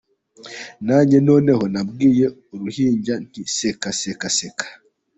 Nanjye noneho nabwiye uruhinja nti seka, seka, seka.